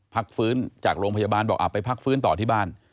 พักฟื้นจากโรงพยาบาลบอกไปพักฟื้นต่อที่บ้าน